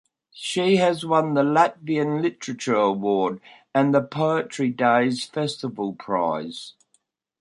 She has won the Latvian Literature Award and the Poetry Days Festival prize.